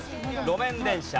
路面電車。